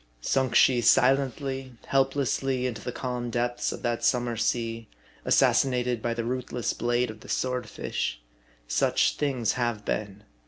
Sunk she silently, help lessly, into the calm depths of that summer sea, assassinated by the ruthless blade of the swordfish ? Such things have been.